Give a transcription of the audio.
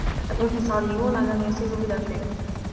الإنفصاليون لن يصلوا إلى شيئ.